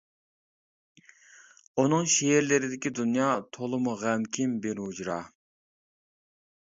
ئۇنىڭ شېئىرلىرىدىكى دۇنيا تولىمۇ غەمكىن بىر ھۇجرا.